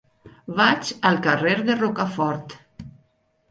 Vaig al carrer de Rocafort.